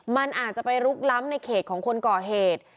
มันอาจจะไปลุกล้ำในเขตของคนก่อเหตุ